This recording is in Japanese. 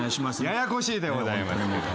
ややこしいでございます。